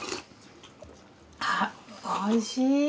あっおいしい！